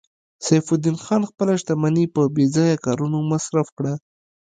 سیف الدین خان خپله شتمني په بې ځایه کارونو مصرف کړه